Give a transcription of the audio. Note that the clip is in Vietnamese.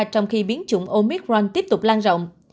trong khi biến chủng omicron tiếp tục lan rộng